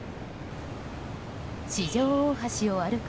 四条大橋を歩く